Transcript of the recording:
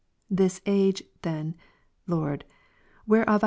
This age then. Lord, whereof I